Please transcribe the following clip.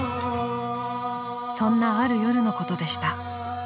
［そんなある夜のことでした］